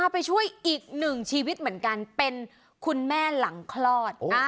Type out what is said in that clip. ไปช่วยอีกหนึ่งชีวิตเหมือนกันเป็นคุณแม่หลังคลอด